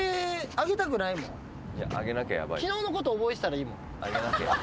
昨日のこと覚えてたらいいもん。